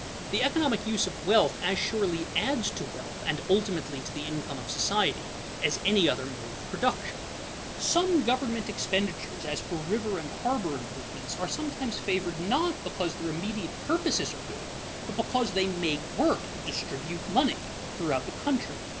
The economic use of wealth as surely adds to wealth (and, ultimately, to the income of society) as any other mode of production. [Sidenote: Waste in public outlay] Some government expenditures, as for river and harbor improvements, are sometimes favored, not because their immediate purposes are good, but because they "make work" and "distribute money" throughout the country.